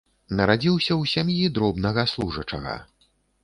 Нарадзіўся ў сям'і дробнага служачага.